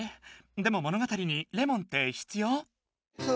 でも物語にレモンってひつよう？